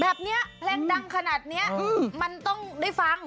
แบบนี้เพลงดังขนาดนี้มันต้องได้ฟัง